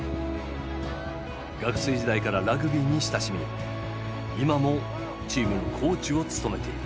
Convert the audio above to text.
学生時代からラグビーに親しみ今もチームのコーチを務めている。